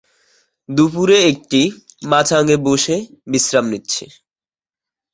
দুপুরে একটা মাচাঙে বসে বিশ্রাম নিচ্ছি।